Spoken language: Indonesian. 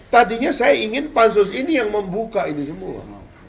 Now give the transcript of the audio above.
tadinya saya ingin pansus ini yang membuka ini semua